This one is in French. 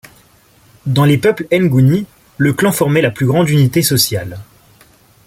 Dans les peuples nguni, le clan formait la plus grande unité sociale.